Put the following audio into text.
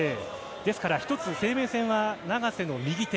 ですから、一つ、生命線は永瀬の右手。